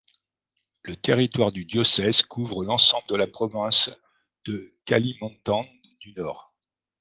Le territoire du diocèse couvre l'ensemble de la province de Kalimantan du Nord.